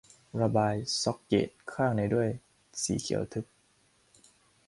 ระบายซ็อกเก็ตข้างในด้วยสีเขียวทึบ